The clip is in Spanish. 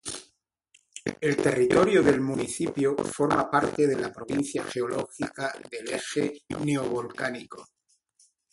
El territorio del municipio forma parte de la provincia geológica del Eje Neovolcánico.